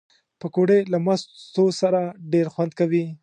پکورې له مستو سره ډېر خوند کوي